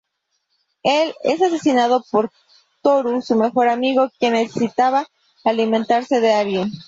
Él es asesinado por Tohru, su mejor amigo, quien necesitaba alimentarse de alguien.